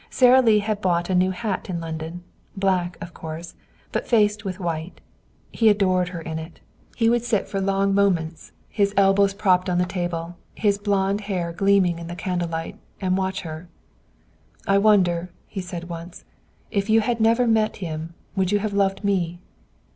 Sara Lee had bought a new hat in London black, of course, but faced with white. He adored her in it. He would sit for long moments, his elbows propped on the table, his blond hair gleaming in the candlelight, and watch her. "I wonder," he said once, "if you had never met him would you have loved me?"